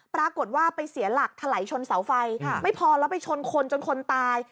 ปรากฏว่าไปเสียหลักถลายชนเสาไฟไม่พอแล้วไปชนคนจนคนตาย